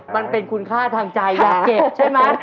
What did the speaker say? มันเป็นคุณค่าทางใจอยากเก็บใช่ไหม